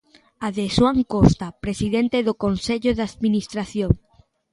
A de Xoán Costa, presidente do consello de administración.